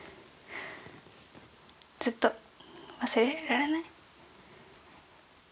ずっと忘れられない。